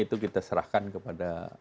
itu kita serahkan kepada